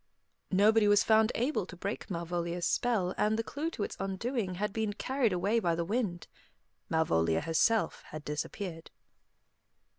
Nobody was found able to break Malvolia's spell, and the clue to its undoing had been carried away by the wind. Malvolia herself had disappeared.